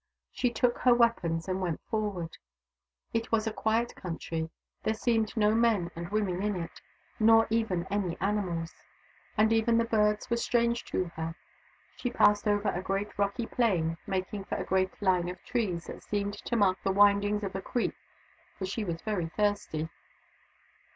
She took her weapons and went forward. It was a quiet country. There seemed no men and women in it, nor even any animals ; and even the birds were strange to her. She passed over a great rocky plain, making for a green line of trees that seemed to mark the windings of a creek, for she was very thirsty.